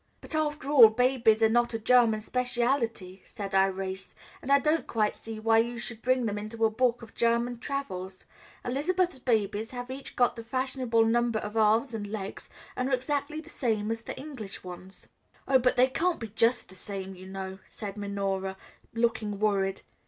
"But, after all, babies are not a German speciality," said Irais, "and I don't quite see why you should bring them into a book of German travels. Elizabeth's babies have each got the fashionable number of arms and legs, and are exactly the same as English ones." "Oh, but they can't be just the same, you know," said Minora, looking worried.